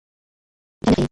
کمپيوټر نرخ ښيي.